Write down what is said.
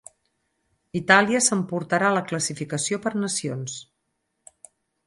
Itàlia s'emportarà la classificació per nacions.